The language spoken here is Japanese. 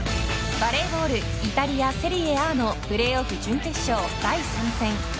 バレーボールイタリアセリエＡのプレーオフ準決勝第３戦。